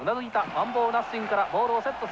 ワンボールナッシングからボールをセットする。